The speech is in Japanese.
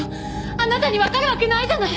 あなたにわかるわけないじゃない！